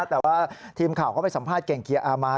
แต่ว่าทีมข่าวก็ไปสัมภาษณ์เก่งเกียร์อามา